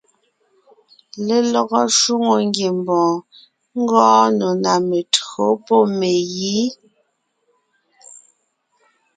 Lelɔgɔ shwòŋo ngiembɔɔn ngɔɔn nò ná mentÿǒ pɔ́ megǐ.